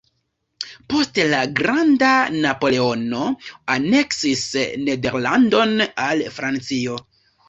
Poste la "granda" Napoleono aneksis Nederlandon al Francio.